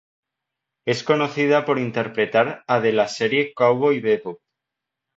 Es conocida por interpretar a de la serie Cowboy Bebop.